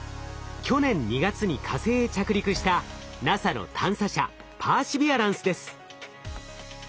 去年２月に火星へ着陸したＮＡＳＡの探査車パーシビアランスです。